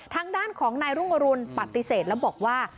ทางด้านของนายรุ่งอรุณปฏิเสธแล้วบอกว่า